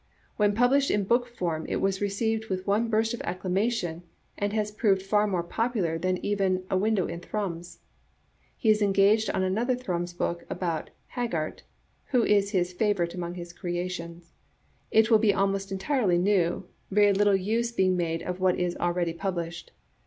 When published in book form it was received with one burst of acclamation, and has proved far more popular than even " A Window in Thrums." He is engaged on another Thrums book about Haggart, who is his favor ite among his creations. It will be almost entirely new, very little use being made of what is already pub lished.